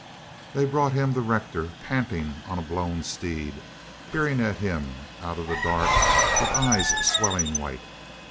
They brought him the rector, panting on a blown steed, peering at him out of the dark with eyes swelling white.